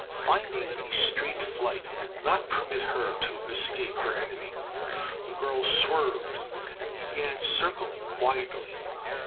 Finding a straight flight would not permit her to escape her enemy, the girl swerved and began circling widely.